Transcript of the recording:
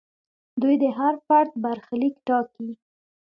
دوی د هر فرد برخلیک ټاکي.